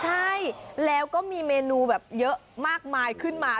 ใช่แล้วก็มีเมนูแบบเยอะมากมายขึ้นมา